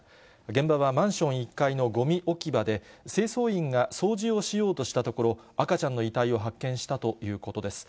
現場はマンション１階のごみ置き場で、清掃員が掃除をしようとしたところ、赤ちゃんの遺体を発見したということです。